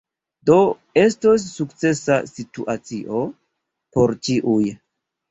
Do estos sukcesa situacio por ĉiuj.